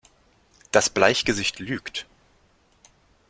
Das Bleichgesicht lügt!